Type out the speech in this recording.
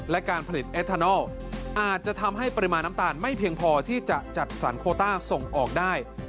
และการผลิตเอทานอลอาจจะทำให้ปริมาณน้ำตาลไม่เพียงพอที่จะจัดสรรโคต้าส่งออกได้